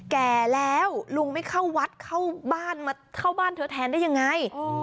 แก่แล้วลุงไม่เข้าวัดเข้าบ้านมาเข้าบ้านเธอแทนได้ยังไง